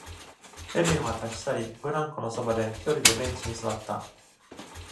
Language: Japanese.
ヘレンは立ち去り、ブランコのそばで一人でベンチに座った。